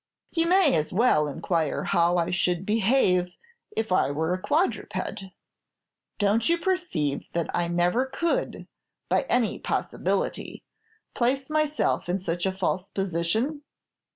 "You may as well inquire how I should behave if I were a quadruped. Don't you perceive that I never could, by any possibility, place myself in such a false position?